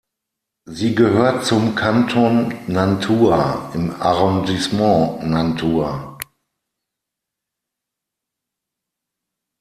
Sie gehört zum Kanton Nantua im Arrondissement Nantua.